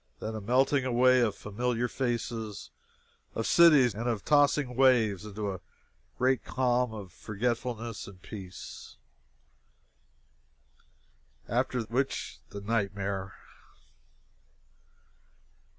Then a melting away of familiar faces, of cities, and of tossing waves, into a great calm of forgetfulness and peace. After which, the nightmare.